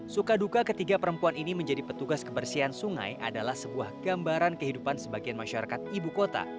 suka duka ketiga perempuan ini menjadi petugas kebersihan sungai adalah sebuah gambaran kehidupan sebagian masyarakat ibu kota